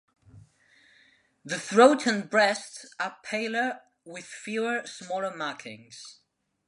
The throat and breast are paler with fewer, smaller markings.